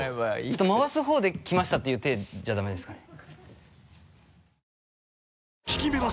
ちょっと回す方で来ましたていう体じゃダメですかね？